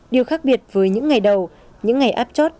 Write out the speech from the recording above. điều khác biệt với những ngày đầu những ngày áp chót